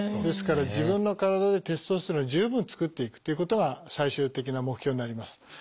ですから自分の体でテストステロンを十分作っていくっていうことが最終的な目標になります。